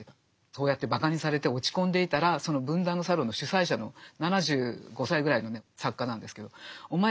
そうやってばかにされて落ち込んでいたらその文壇のサロンの主宰者の７５歳ぐらいのね作家なんですけどお前